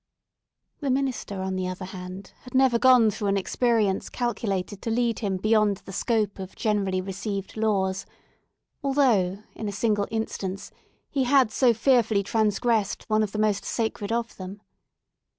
The minister, on the other hand, had never gone through an experience calculated to lead him beyond the scope of generally received laws; although, in a single instance, he had so fearfully transgressed one of the most sacred of them.